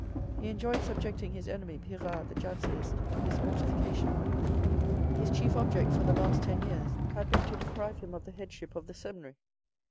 He enjoyed subject ing his enemy, Pirard the Jansenist, to this mortification. His chief object for the last ten years had been to deprive him of the headship of the seminary.